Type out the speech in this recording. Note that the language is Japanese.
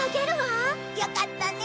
よかったね。